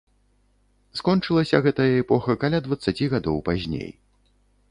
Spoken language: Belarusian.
Скончылася гэтая эпоха каля дваццаці гадоў пазней.